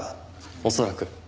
恐らく。